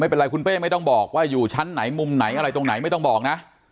ไม่เป็นไรคุณเป้ไม่ต้องบอกว่าอยู่ชั้นไหนมุมไหนอะไรตรงไหนไม่ต้องบอกนะ